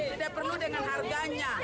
tidak perlu dengan harganya